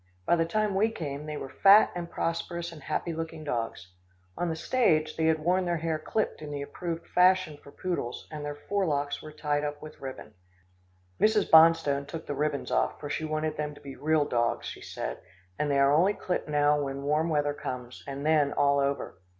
By the time we came, they were fat and prosperous and happy looking dogs. On the stage, they had worn their hair clipped in the approved fashion for poodles, and their forelocks were tied up with ribbon. Mrs. Bonstone took the ribbons off, for she wanted them to be real dogs, she said, and they are only clipped now when warm weather comes, and then all over.